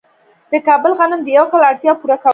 د کابل غنم د یو کال اړتیا پوره کوي.